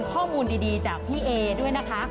ข้อมูลดีจากพี่เอด้วยนะคะ